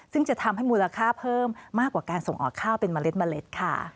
ซึ่งจะทำให้มูลค่าเพิ่มมากกว่าการส่งออกข้าวเป็นเมล็ดเมล็ดค่ะ